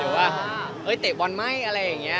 อยากเตะบอลไหมหรืออะไรแบบนี้